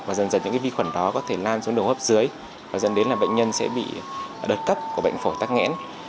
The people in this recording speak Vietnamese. và dần dần những vi khuẩn đó có thể lan xuống đường hô hấp dưới và dần đến là bệnh nhân sẽ bị đợt cấp của bệnh phổ tác nghẽn